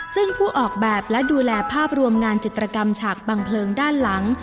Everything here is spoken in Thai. ซึ่งผู้ออกแบบและดูแลภาพรวมงานจิตรกรรมฉากบังเพลิงด้านหลัง